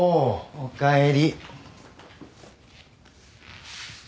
おかえり。